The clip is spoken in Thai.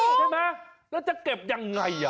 ใช่ไหมแล้วจะเก็บยังไง